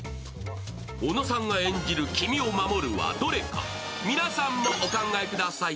小野さんが演じる「君を守る！」はどれか、皆さんもお考えください。